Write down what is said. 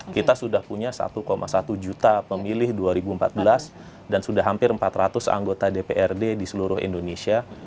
kita sudah punya satu satu juta pemilih dua ribu empat belas dan sudah hampir empat ratus anggota dprd di seluruh indonesia